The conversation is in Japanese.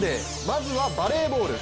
まずはバレーボール。